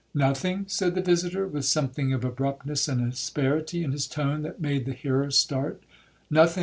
'Nothing?' said the visitor, with something of abruptness and asperity in his tone that made the hearer start—'nothing?